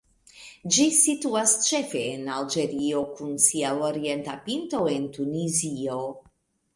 Ĝi situas ĉefe en Alĝerio, kun sia orienta pinto en Tunizio.